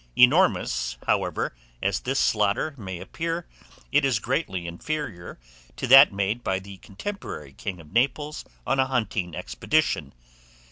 Enormous, however, as this slaughter may appear, it is greatly inferior to that made by the contemporary king of Naples on a hunting expedition.